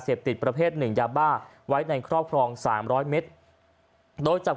ติดประเภทหนึ่งยาบ้าไว้ในครอบครอง๓๐๐เมตรโดยจับ